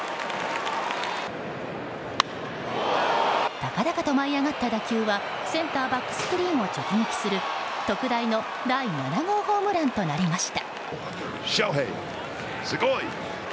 高々と舞い上がった打球はセンターバックスクリーンを直撃する特大の第７号ホームランとなりました。